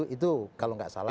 itu kalau nggak salah